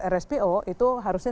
rspo itu harusnya